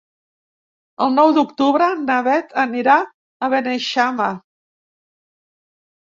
El nou d'octubre na Beth anirà a Beneixama.